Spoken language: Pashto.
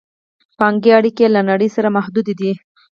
بانکي اړیکې یې له نړۍ سره محدودې دي.